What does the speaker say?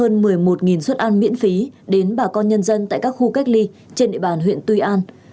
hơn hai tháng nay bếp đã cung cấp hơn một mươi một suất ăn miễn phí đến bà con nhân dân tại các khu cách ly trên địa bàn huyện tuy an